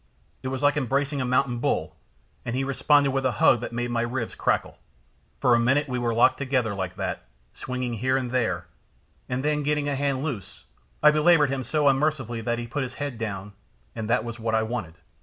It was like embracing a mountain bull, and he responded with a hug that made my ribs crackle. For a minute we were locked together like that, swinging here and there, and then getting a hand loose, I belaboured him so unmercifully that he put his head down, and that was what I wanted.